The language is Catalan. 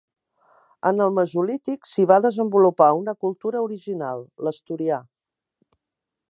En el mesolític s'hi va desenvolupar una cultura original, l'Asturià.